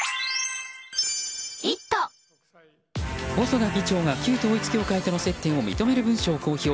細田議長が旧統一教会との接点を認める文書を公表。